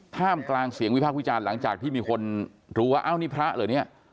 ห้ามกลางเสียงวิพากษ์วิจารณ์หลังจากที่มีคนรู้ว่าพระหรือนี่